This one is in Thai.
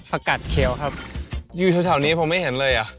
อากาศเขียวครับอยู่แถวนี้ผมไม่เห็นเลยอ่ะ